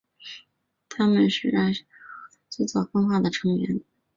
它们是艾什欧鲸科最早分化的成员。